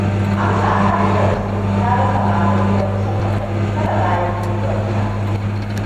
Amsa har yanzu ya rasa Babangida kusan watanni tara bayan mutuwarsa.